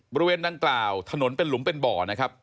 บริเวณดังกล่าวถนนเป็นหลุมเป็นบ่อนะครับ